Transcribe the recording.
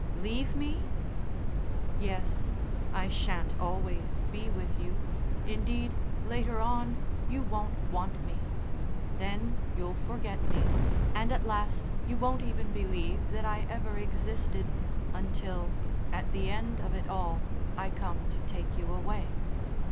"Leave me?" "Yes. I shan't always be with you; indeed, later on you won't want me. Then you'll forget me, and at last you won't even believe that I ever existed until, at the end of it all, I come to take you away.